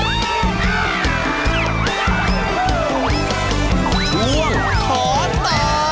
ช่วงขอตอบ